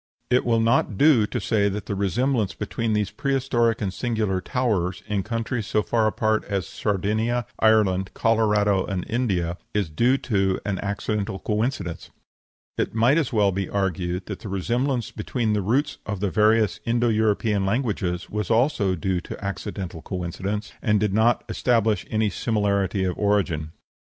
It will not do to say that the resemblance between these prehistoric and singular towers, in countries so far apart as Sardinia, Ireland, Colorado, and India, is due to an accidental coincidence. It might as well be argued that the resemblance between the roots of the various Indo European languages was also due to accidental coincidence, and did not establish any similarity of origin.